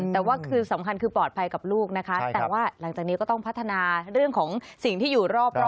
แต่ว่าคือสำคัญคือปลอดภัยกับลูกนะคะแต่ว่าหลังจากนี้ก็ต้องพัฒนาเรื่องของสิ่งที่อยู่รอบรอบ